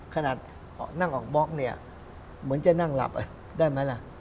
ขนาดนั่งออกบล็อกเนี่ยเหมือนจะนั่งหลับได้ไหมล่ะ